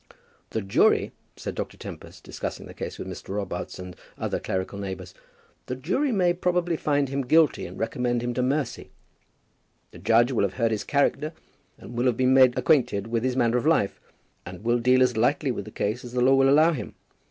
"The jury," said Dr. Tempest, discussing the case with Mr. Robarts and other clerical neighbours, "the jury may probably find him guilty and recommend him to mercy. The judge will have heard his character, and will have been made acquainted with his manner of life, and will deal as lightly with the case as the law will allow him.